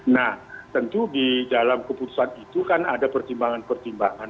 nah tentu di dalam keputusan itu kan ada pertimbangan pertimbangan